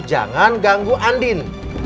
jangan ganggu andien